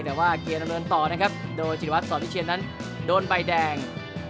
แต่ว่าเกรงเริ่มต่อนะครับโดยจิริวัฒน์สอนทิเชียนนั้นโดนใบแดง